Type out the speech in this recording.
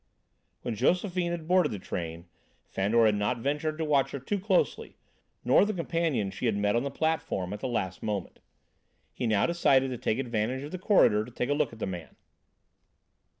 When Josephine had boarded the train, Fandor had not ventured to watch her too closely, nor the companion she had met on the platform at the last moment. He now decided to take advantage of the corridor to take a look at the man.